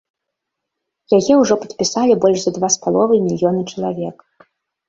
Яе ўжо падпісалі больш за два з паловай мільёны чалавек.